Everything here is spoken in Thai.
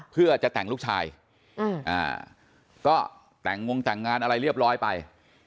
เพื่อจะแต่งลูกชายก็แต่งงแต่งงานอะไรเรียบร้อยไป